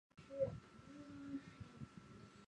中国的连载小说始于十九世纪晚期。